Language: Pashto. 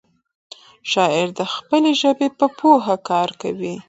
شاعر د خپلې ژبې په پوهه کار کوي.